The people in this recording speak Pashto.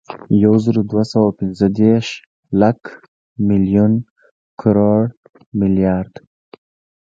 یوزرودوهسوه اوپنځهدېرس، لک، ملیون، کروړ، ملیارد